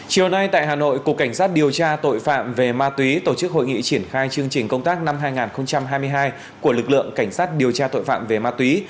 chiều nay tại hà nội cục cảnh sát điều tra tội phạm về ma túy tổ chức hội nghị triển khai chương trình công tác năm hai nghìn hai mươi hai của lực lượng cảnh sát điều tra tội phạm về ma túy